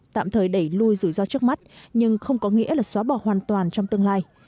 tạm thời đẩy lùi rủi ro trước mắt nhưng không có nghĩa là xóa bỏ hoàn toàn trong tương lai